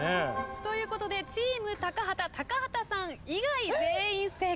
ということでチーム高畑高畑さん以外全員正解。